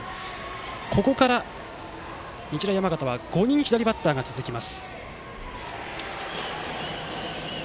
ここから日大山形は５人左バッターが続きます。